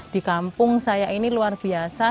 di kampung saya ini luar biasa